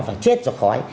và chết do khói